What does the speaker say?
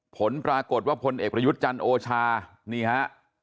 ผลปรากฏว่าพลเอกประยุทธ์จันทร์โอชานี่ฮะ